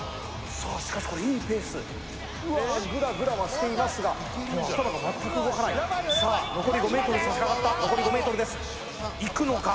さあしかしこれいいペースグラグラはしていますが頭が全く動かないさあ残り５ｍにさしかかった残り５ｍですいくのか？